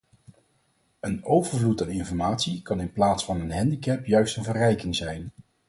Een overvloed aan informatie kan in plaats van een handicap juist een verrijking zijn.